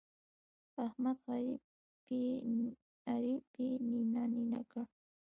احمد غريب يې نينه نينه کړ.